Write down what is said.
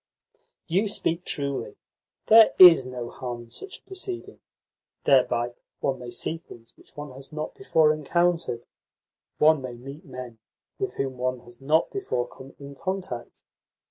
"You speak truly. There IS no harm in such a proceeding. Thereby one may see things which one has not before encountered, one may meet men with whom one has not before come in contact.